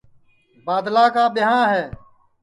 بادلا کا ٻیاں ہے